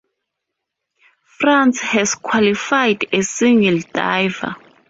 France has qualified a single diver.